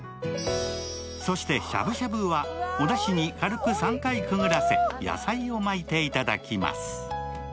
そして、しゃぶしゃぶはおだしに軽く３回くぐらせ、野菜を巻いていただきます。